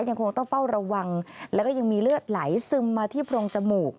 ยังคงต้องเฝ้าระวังแล้วก็ยังมีเลือดไหลซึมมาที่โพรงจมูก